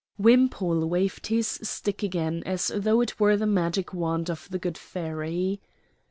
Wimpole waved his stick again as though it were the magic wand of the good fairy.